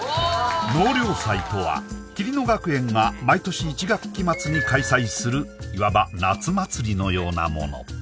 納涼祭とは桐乃学園が毎年１学期末に開催するいわば夏祭りのようなもの